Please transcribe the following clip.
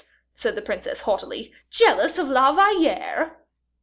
said the princess, haughtily, "jealous of La Valliere!"